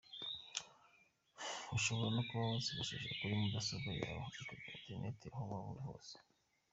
Ushobora no kuba wazifashisha kuri mudasobwa yawe ikaguha interineti aho waba uri hose.